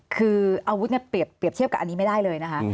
คืออาวุธเนี่ยเปรียบเทียบกับอันนี้ไม่ได้เลยนะคะ